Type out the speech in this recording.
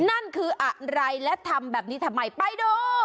นั่นคืออะไรและทำแบบนี้ทำไมไปดู